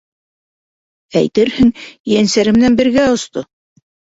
Әйтерһең, ейәнсәре менән бергә осто.